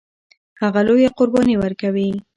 هغه لویه قرباني ورکوي.